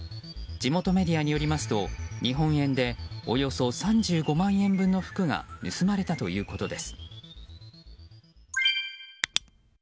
地元メディアによりますと日本円でおよそ３５万円分の服が盗まれたということです。